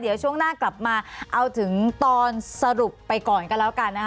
เดี๋ยวช่วงหน้ากลับมาเอาถึงตอนสรุปไปก่อนกันแล้วกันนะคะ